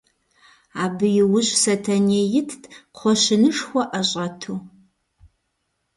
Абы иужь Сэтэней итт, кхъуэщынышхуэ ӏэщӏэту.